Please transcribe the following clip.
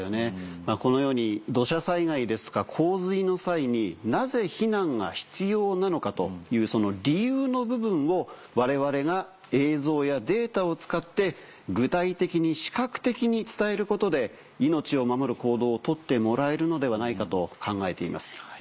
このように土砂災害ですとか洪水の際に「なぜ避難が必要なのか？」という理由の部分を我々が映像やデータを使って具体的に視覚的に伝えることで命を守る行動をとってもらえるのではないかと考えています。